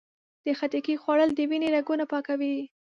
د خټکي خوړل د وینې رګونه پاکوي.